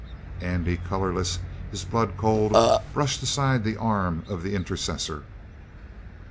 Andy, colorless, his blood cold, brushed aside the arm of the intercessor.